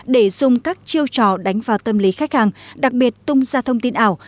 để dùng các chiêu trò đánh vào tâm lý khách hàng đặc biệt tung ra thông tin ảo